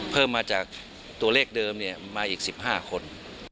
เพิ่มมาจากตัวเลขเดิมมาอีก๑๕คน